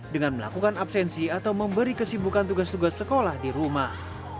dengan melakukan absensi atau memberi kesibukan tugas tugas sekolah di rumah